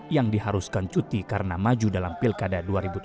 yang diharuskan cuti karena maju dalam pilkada dua ribu tujuh belas